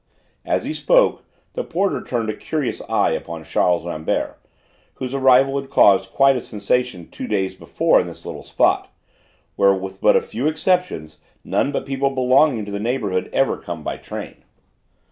As he spoke, the porter turned a curious eye upon Charles Rambert, whose arrival had caused quite a sensation two days before in this little spot, where with but few exceptions none but people belonging to the neighbourhood ever came by train.